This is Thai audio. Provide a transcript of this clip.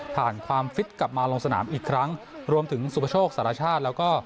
ความฟิตกลับมาลงสนามอีกครั้งรวมถึงสุประโชคสารชาติแล้วก็